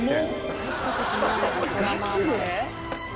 ガチで？